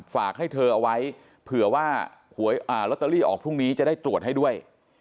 ฝากให้เธอเอาไว้เผื่อว่าลอตเตอรี่ออกพรุ่งนี้จะได้ตรวจให้ด้วย